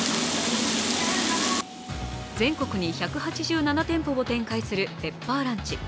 全国に１８７店舗を展開するペッパーランチ。